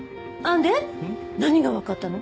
で何がわかったの？